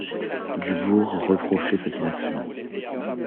Dubourg reprochait cette inaction.